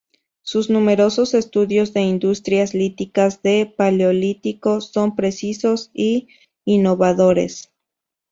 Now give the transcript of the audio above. Sus numerosos estudios de industrias líticas del Paleolítico son precisos y innovadores.